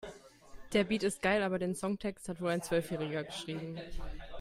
Der Beat ist geil, aber den Songtext hat wohl ein Zwölfjähriger geschrieben.